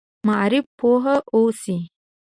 معارف پوه اوسي.